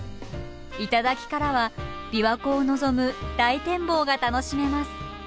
頂からは琵琶湖を望む大展望が楽しめます。